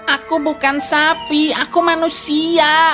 aku bukan sapi aku manusia